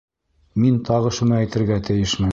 Мин тағы шуны әйтергә тейешмен.